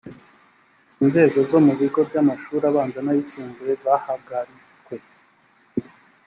inzego zo mu bigo byamashuri abanza nayisumbuye zahagaritwe